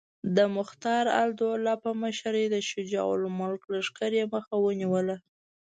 د مختارالدوله په مشرۍ د شجاع الملک لښکر یې مخه ونیوله.